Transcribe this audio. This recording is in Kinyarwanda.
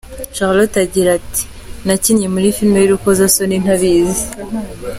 Charlotte agira ati:” Nakinnye muri filime y’urukozasoni ntabizi.